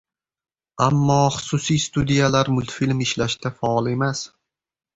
Ammo xususiy studiyalar multfilm ishlashda faol emas.